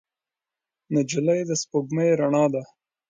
نجلۍ د سپوږمۍ رڼا ده.